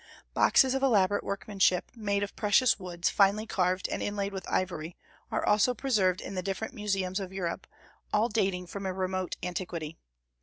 Boxes of elaborate workmanship, made of precious woods finely carved and inlaid with ivory, are also preserved in the different museums of Europe, all dating from a remote antiquity.